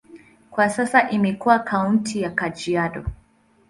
Kwa sasa imekuwa kaunti ya Kajiado.